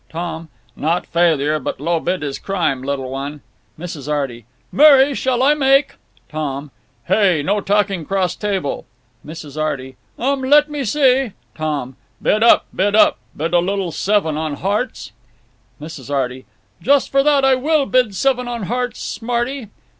Tom: Not failure, but low bid is crime, little one. Mrs. Arty: Mary, shall I make— Tom: Hey! No talking 'cross table! Mrs. Arty: Um—let—me—see. Tom: Bid up, bid up! Bid a little seven on hearts? Mrs. Arty: Just for that I will bid seven on hearts, smarty!